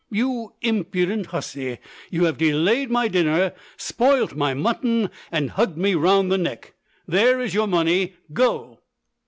You impudent hussy, you have delayed my dinner, spoilt my mutton, and hugged me round the neck! There is your money. Go."